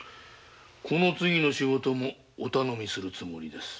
この次の仕事もお頼みするつもりです。